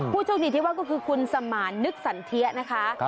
ผู้โชคดีที่ว่าก็คือคุณสมานนึกสันเทียนะคะ